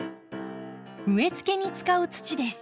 植えつけに使う土です。